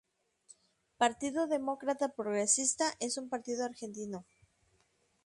Partido Demócrata Progresista es un partido argentino.